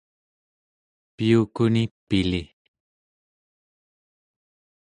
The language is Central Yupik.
piyukuni pili